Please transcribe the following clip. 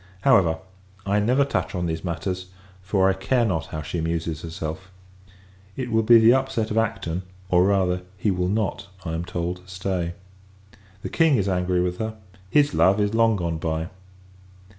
However, I never touch on these matters; for, I care not how she amuses herself. It will be the upset of Acton; or, rather, he will not, I am told, stay. The King is angry with her; his love is long gone by.